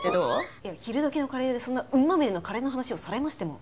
いや昼時のカレー屋でそんなウンまみれのカレーの話をされましても。